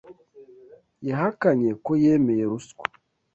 Yahakanye ko yemeye ruswa.